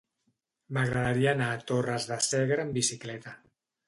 M'agradaria anar a Torres de Segre amb bicicleta.